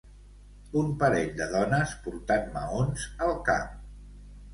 Un parell de dones portant maons al cap.